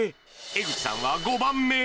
江口さんは５番目。